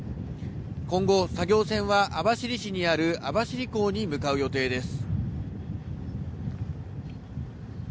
今後、作業船は網走市にある網走港に向かう予定です。